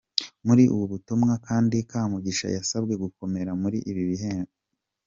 Muri ubu butumwa kandi Kamugisha yasabwe gukomera muri ibi bihe arimo.